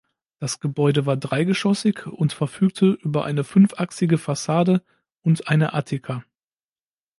Das Gebäude war dreigeschossig und verfügte über eine fünfachsige Fassade und eine Attika.